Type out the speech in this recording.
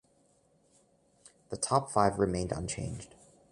The top five remained unchanged.